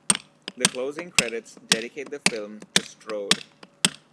The closing credits dedicate the film to Strode.